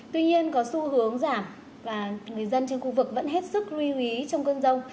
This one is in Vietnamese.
tuy nhiên có xu hướng giảm và người dân trên khu vực vẫn hết sức lưu ý trong cơn rông